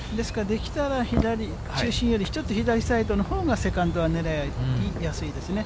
できたら左、中心より１つ、左サイドのほうが、セカンドは狙いやすいですね。